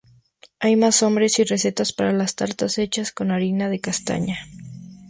Hay más nombres y recetas para las tartas hechas con harina de castaña.